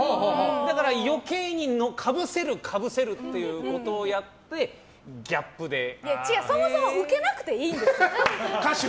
だから余計にかぶせるということをやってそもそもウケなくていいんです。